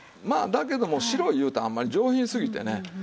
まあだけども白いうたらあんまり上品すぎてね